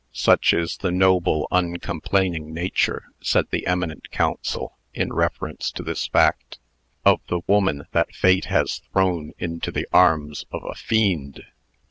"Such is the noble, uncomplaining nature," said the eminent counsel, in reference to this fact, "of the woman that Fate has thrown into the arms of a fiend."